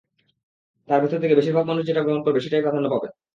তার ভেতর থেকে বেশির ভাগ মানুষ যেটা গ্রহণ করবে সেটাই প্রাধান্য পাবে।